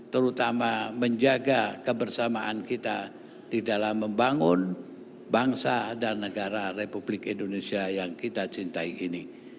terutama menjaga kebersamaan kita di dalam membangun bangsa dan negara republik indonesia yang kita cintai ini